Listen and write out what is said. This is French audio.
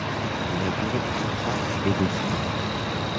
La durée du contrat est de dix ans.